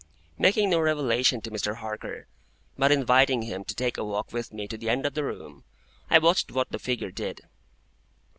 Making no revelation to Mr. Harker, but inviting him to take a walk with me to the end of the room, I watched what the figure did.